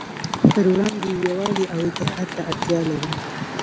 پروړاندې یې يووالي او اتحاد ته اړتیا لرو.